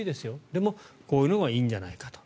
でも、こういうのがいいんじゃないかと。